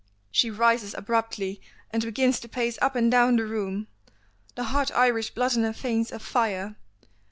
She rises abruptly and begins to pace up and down the room, the hot Irish blood in her veins afire.